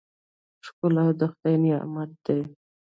ښکلا د خدای نعمت دی.